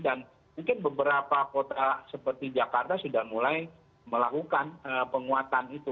dan mungkin beberapa kota seperti jakarta sudah mulai melakukan penguatan itu